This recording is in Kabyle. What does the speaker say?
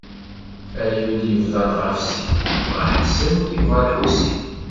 A yul yebḍan ɣef sin, yebɣa ḥsen, yebɣa lḥusin.